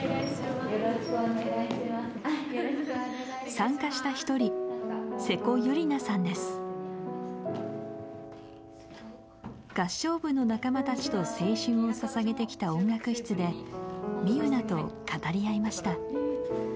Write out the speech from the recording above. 参加した一人合唱部の仲間たちと青春を捧げてきた音楽室でみゆなと語り合いました。